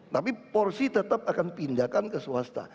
tapi porsi tetap akan pindahkan ke swasta